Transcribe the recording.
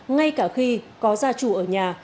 ngay cả khi có gia trù ở nhà